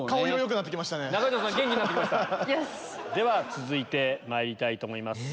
続いてまいりたいと思います。